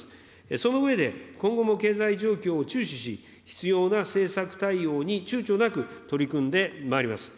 その上で、今後も経済状況を注視し、必要な政策対応にちゅうちょなく取り組んでまいります。